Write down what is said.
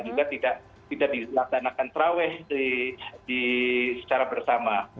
juga tidak dilaksanakan terawih secara bersama